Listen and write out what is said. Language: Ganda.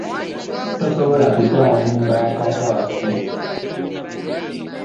Tosobola kutwala nnyumba ya taata waffe.